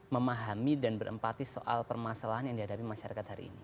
memahami dan berempati soal permasalahan yang dihadapi masyarakat hari ini